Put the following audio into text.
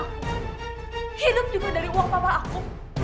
hidup juga dari uang papa aku